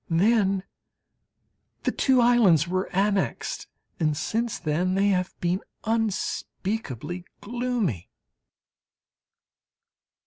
Then the two islands were annexed, and since then they have been unspeakably gloomy!